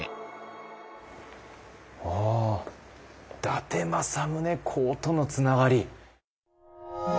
伊達政宗公とのつながり。